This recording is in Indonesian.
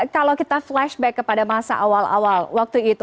kalau kita flashback kepada wisma atlet kemayoran